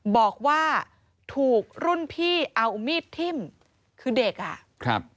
บอกว่าถูกรุ่นพี่เอามีดทิ้มคือเด็กอ่ะครับ